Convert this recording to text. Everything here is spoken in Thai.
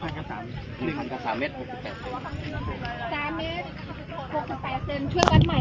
รักไม่ได้